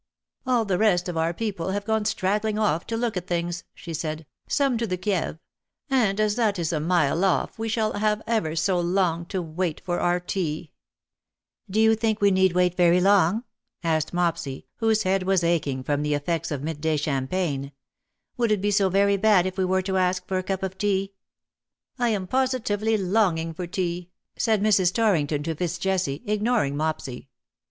221 " All the rest of our people have gone straggling off to look at things/^ she said^ " some to the Kieve — and as that is a mile off we shall have ever so long to wait for our tea/' " Do you think we need wait very long V asked Mopsy^ whose head was aching from the effects of mid day champagne; ^^ would it be so very bad if we were to ask for a cup of tea/' " I am positively longing for tea/' said Mrs. Torrington to FitzJesse^ ignoring Mopsy.